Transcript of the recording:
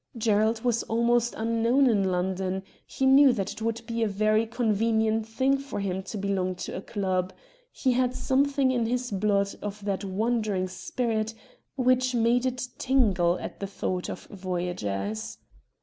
Gerald was almost unknown in London ; he knew that it would be a very convenient thing for him to belong to a club ; he had something in his blood of that wandering spirit which made it tingle at the thought of Voyagers.